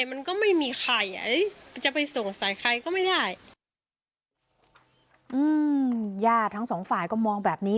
มันก็ไม่มีใครอ่ะจะไปส่งใส่ใครก็ไม่ได้อืมญาติทั้งสองฝ่ายก็มองแบบนี้